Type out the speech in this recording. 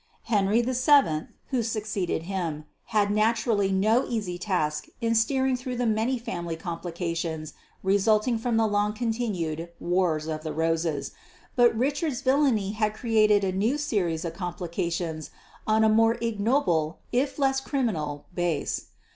Henry VII, who succeeded him, had naturally no easy task in steering through the many family complications resulting from the long continued "Wars of the Roses"; but Richard's villany had created a new series of complications on a more ignoble, if less criminal, base.